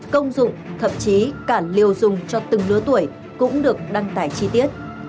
công dụng thậm chí cản liều dùng cho từng lứa tuổi cũng được đăng tải chi tiết